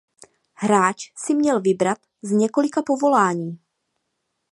Hráč si měl vybrat z několika povolání.